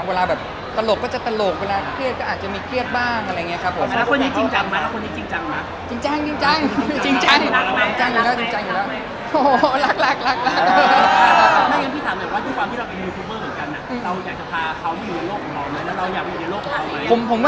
เวลาแบบตลกก็จะตลกเวลาเครียดก็อาจจะมีเครียดบ้างอะไรอย่างนี้ครับผม